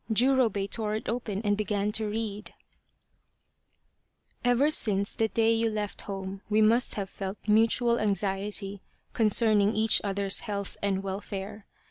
" Jurobei tore it open and began to read :" Ever since the day you left home we must have felt mutual anxiety concerning each other's health and welfare.